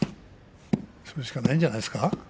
それしかないんじゃないですか。